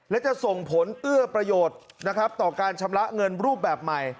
และจะส่งผลเอื้อประโยชน์นะครับต่อการชำระเงินรูปแบบใหม่